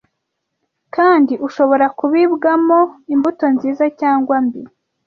kandi ushobora kubibwamo imbuto nziza cyangwa mbi